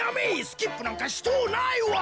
スキップなんかしとうないわ！